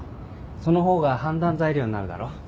その方が判断材料になるだろ？